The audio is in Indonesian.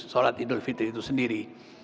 sholat idul fitri itu sendiri